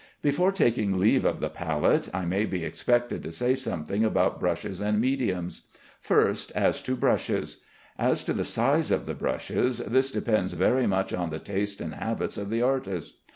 Before taking leave of the palette, I may be expected to say something about brushes and mediums. First, as to brushes: As to the size of the brushes, this depends very much on the taste and habits of the artist.